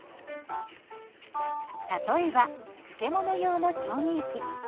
例えば漬物用の調味液。